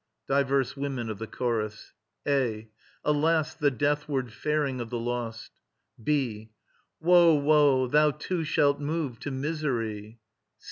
DIVERS WOMEN OF THE CHORUS. A. Alas, the deathward faring of the lost! B. Woe, woe; thou too shalt move to misery.